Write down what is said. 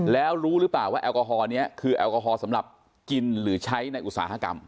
แล้วรู้หรือเปล่าว่าแอลกอฮอลนี้คือแอลกอฮอล์สำหรับกินหรือใช้ในอุตสาหกรรม